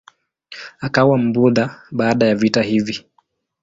Akawa Mbudha baada ya vita hivi.